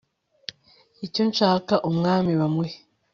icyo nshaka umwami bamuhe